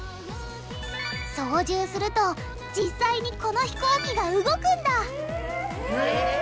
操縦すると実際にこの飛行機が動くんだえ！